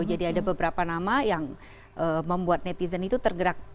jadi ada beberapa nama yang membuat netizen itu tergerak